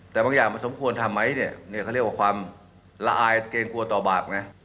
แต่บางอย่างมันสมควรทำไหมเนี่ยเขาเรียกว่าความละอายเกรงกลัวต่อบาปไง